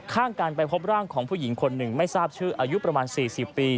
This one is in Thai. ข้างกันไปพบร่างของผู้หญิงคนหนึ่งไม่ทราบชื่ออายุประมาณ๔๐ปี